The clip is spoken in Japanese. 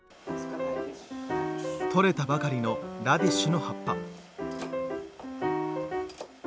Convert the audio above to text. とれたばかりのラディッシュの葉っぱ。